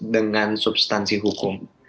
dengan substansi hukum